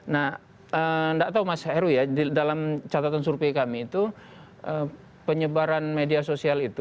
nah nggak tahu mas heru ya dalam catatan survei kami itu penyebaran media sosial itu